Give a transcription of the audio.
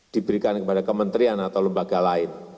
diberikan kepada kementerian atau lembaga lain